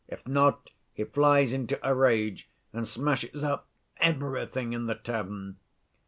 If not, he flies into a rage and smashes up everything in the tavern.